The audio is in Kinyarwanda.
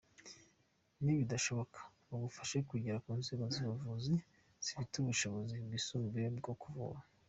Nibidashoboka bagufashe kugera ku nzego z’ubuvuzi zifite ubushobozi bwisumbuye bwo kuvura”.